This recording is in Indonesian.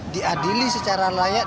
diadili secara layak dan dihukum